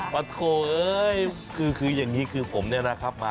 ะโถเอ้ยคืออย่างนี้คือผมเนี่ยนะครับมา